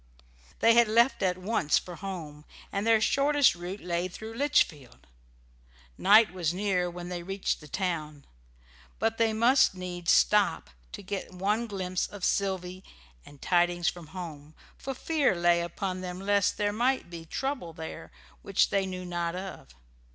They had left at once for home, and their shortest route lay through Litchfield. Night was near when they reached the town, but they must needs stop to get one glimpse of Sylvy and tidings from home, for fear lay upon them lest there might be trouble there which they knew not of.